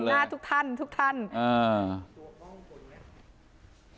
มันเห็นหน้าทุกท่านทุกท่านอ่า